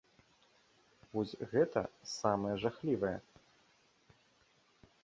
Вось гэта самае жахлівае.